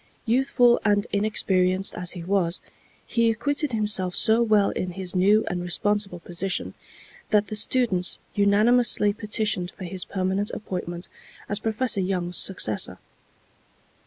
Youthful and inexperienced as he was, he acquitted himself so well in his new and responsible position, that the students unanimously petitioned for his permanent appointment as Professor Young's successor.